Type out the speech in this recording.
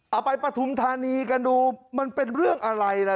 ปฐุมธานีกันดูมันเป็นเรื่องอะไรล่ะ